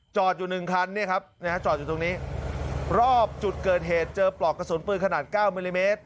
อยู่หนึ่งคันเนี่ยครับนะฮะจอดอยู่ตรงนี้รอบจุดเกิดเหตุเจอปลอกกระสุนปืนขนาด๙มิลลิเมตร